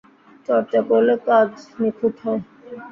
চর্চা করলে কাজ নিখুঁত হয়।